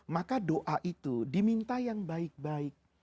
maka doa itu diminta yang baik baik